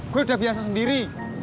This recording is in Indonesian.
gue udah biasa sendiri